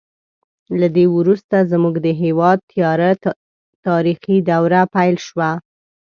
له دې وروسته زموږ د هېواد تیاره تاریخي دوره پیل شوه.